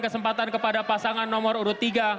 kesempatan kepada pasangan nomor urut tiga